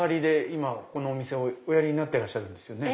今このお店をおやりになってるんですよね。